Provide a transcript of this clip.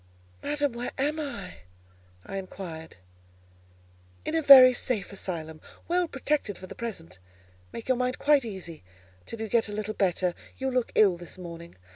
"Madam, where am I?" I inquired. "In a very safe asylum; well protected for the present; make your mind quite easy till you get a little better; you look ill this morning."